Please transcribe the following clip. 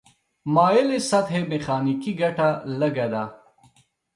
مایلې سطحې میخانیکي ګټه لږه ده.